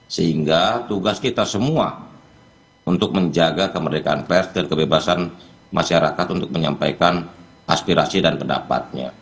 sehingga tugas kita semua untuk menjaga kemerdekaan pers dan kebebasan masyarakat untuk menyampaikan aspirasi dan pendapatnya